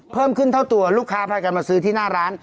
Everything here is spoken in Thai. เพิ่มขึ้นเท่าตัวลูกค้าพากันมาซื้อที่หน้าร้าน